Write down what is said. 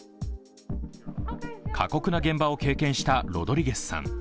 過酷な現場を経験したロドリゲスさん。